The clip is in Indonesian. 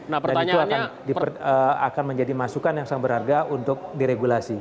dan itu akan menjadi masukan yang sangat berharga untuk diregulasi